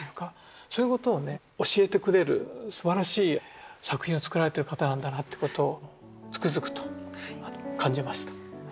そういうことをね教えてくれるすばらしい作品を作られている方なんだなってことをつくづくと感じました。